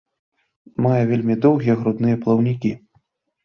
Мае вельмі доўгія грудныя плаўнікі.